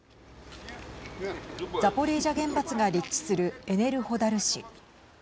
ザポリージャ原発が立地するエネルホダル市。